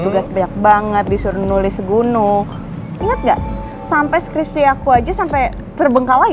tugas banyak banget disuruh nulis gunung ingat enggak sampai scripsi aku aja sampai terbengkalai